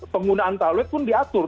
penggunaan toilet pun diatur